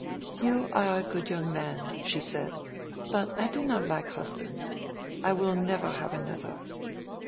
"You are a good young man," she said. "But I do not like husbands. I will never have another."